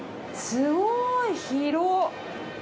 すごい、広っ。